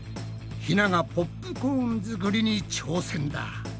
ひながポップコーン作りに挑戦だ。